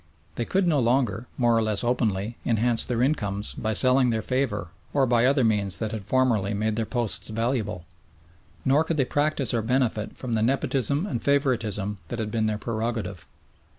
They could no longer, more or less openly, enhance their incomes by selling their favour or by other means that had formerly made their posts valuable, nor could they practise or benefit from the nepotism and favouritism that had been their prerogative.